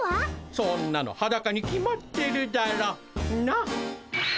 そんなのハダカに決まってるだろう。